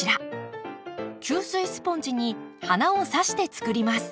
吸水スポンジに花をさしてつくります。